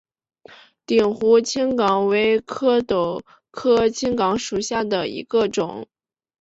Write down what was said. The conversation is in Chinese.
鼎湖青冈为壳斗科青冈属下的一个种。